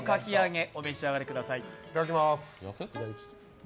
いただきます。